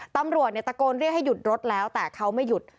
ตำรวจเนี่ยตะโกนเรียกให้หยุดรถแล้วแต่เขาไม่หยุด